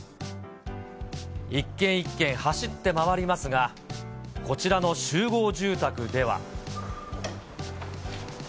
一軒一軒走って回りますが、こちらの集合住宅では。